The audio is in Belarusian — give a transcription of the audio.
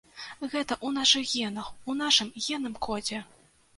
Гэта ў нашых генах, у нашым генным кодзе!